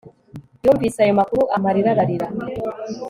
Yumvise ayo makuru amarira ararira